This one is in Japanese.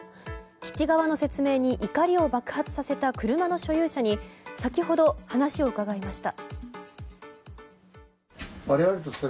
基地側の説明に怒りを爆発させた車の所有者に先ほど話を伺いました。